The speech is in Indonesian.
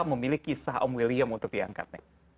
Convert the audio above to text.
memiliki sah om william untuk diangkat